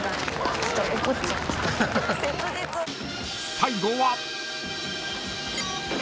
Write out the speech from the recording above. ［最後は］